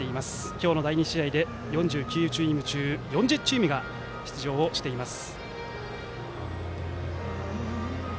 今日の第２試合で４９チーム中４０チームが出場をしています。